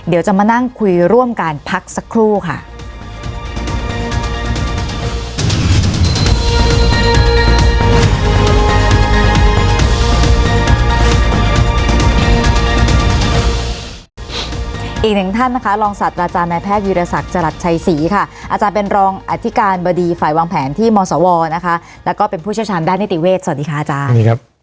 อีกหนึ่งท่านนะคะลองสัตว์อาจารย์แมนแพทย์ยุโรศักดิ์จรัฐชัยศรีค่ะอาจารย์เป็นรองอธิการบดีฝ่ายวางแผนที่มสวนะคะแล้วก็เป็นผู้เชี่ยวชาญด้านนิติเวทย์สวัสดีค่ะอาจารย์